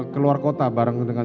keluar kota bareng dengan